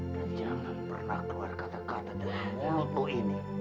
dan jangan pernah keluar kata kata dari mulut lu ini